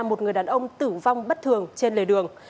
một người đàn ông tử vong bất thường trên lề đường